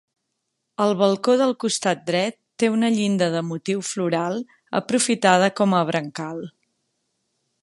El balcó del costat dret té una llinda de motiu floral aprofitada com a brancal.